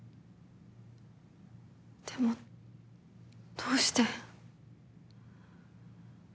でもどうして。